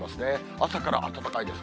朝から暖かいです。